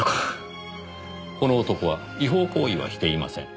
この男は違法行為はしていません。